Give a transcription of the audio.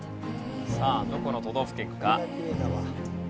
さあどこの都道府県か？